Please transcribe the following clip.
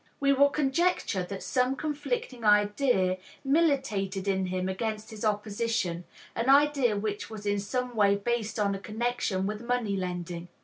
We will conjecture that some conflicting idea militated in him against his opposition, an idea which was in some way based on a connection with money lending.